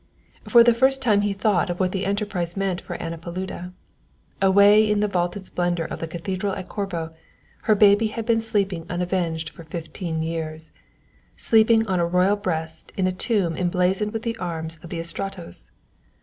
For the first time he thought of what the enterprise meant for Anna Paluda. Away in the vaulted splendour of the cathedral at Corbo, her baby had been sleeping unavenged for fifteen years, sleeping on a royal breast in a tomb emblazoned with the arms of the Estratos.